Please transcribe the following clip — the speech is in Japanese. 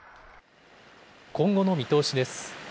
今後の見通しです。